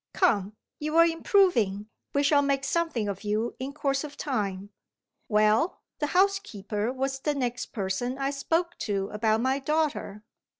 "Come! you're improving; we shall make something of you in course of time. Well, the housekeeper was the next person I spoke to about my daughter.